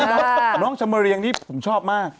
น้องชมเรียงนี่ผมชอบมาก